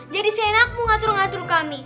jadi seenakmu ngatur ngatur kami